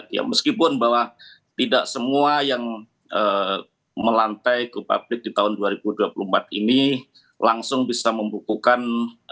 ya meskipun bahwa tidak semua yang melantai ke publik di tahun dua ribu dua puluh empat ini langsung bisa membukukan